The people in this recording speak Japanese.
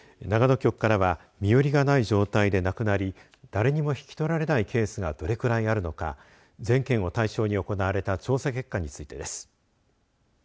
長野局からは身寄りがない状態で亡くなり誰にも引き取られないケースがどれくらいあるのか全県を対象に行われた調査結果についてです。